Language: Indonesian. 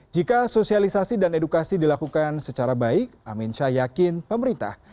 jika sosialisasi dan edukasi dilakukan secara baik amin syah yakin pemerintah